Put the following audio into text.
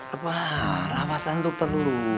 apa rawatan itu perlu